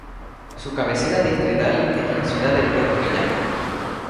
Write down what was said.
Su cabecera distrital es la ciudad de Puerto Peñasco.